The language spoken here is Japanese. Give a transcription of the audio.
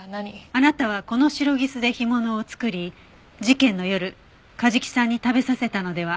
あなたはこのシロギスで干物を作り事件の夜梶木さんに食べさせたのではありませんか？